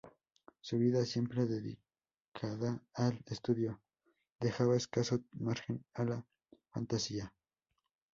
Su vida, siempre dedicada al estudio, dejaba escaso margen a la fantasía.